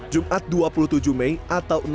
jumat dua puluh tujuh mei atau